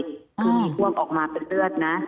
คือมีพ่วงออกมาเป็นเลือดนะ